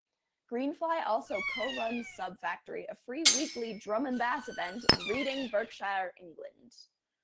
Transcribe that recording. Greenfly also co-runs Subfactory, a free weekly drum'n'bass event in Reading, Berkshire, England.